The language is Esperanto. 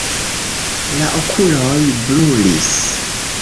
La okuloj brulis.